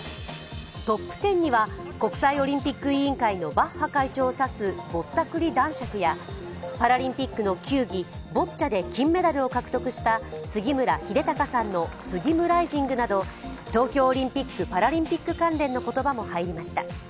トップ１０には国際オリンピック委員会のバッハ会長を指すぼったくり男爵やパラリンピックの球技、ボッチャで金メダルを獲得した杉村英孝さんのスギムライジングなど東京オリンピック・パラリンピック関連の言葉も入りました。